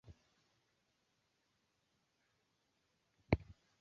lakini kwa ajili ya mkutano huu wanaohudhuria nayasema haya